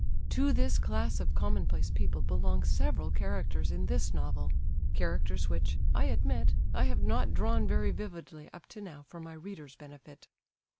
To this class of commonplace people belong several characters in this novel;—characters which—I admit—I have not drawn very vividly up to now for my reader's benefit.